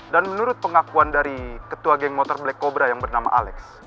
dan menurut pengakuan dari ketua geng motor black cobra yang bernama alex